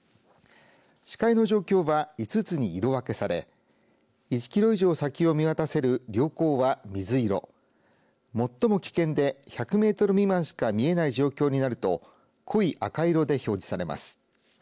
視界の状況は５つに色分けされ１キロ以上先を見渡せる良好は水色最も危険で１００メートル未満しか見えない状況になると濃い赤色で表示されます。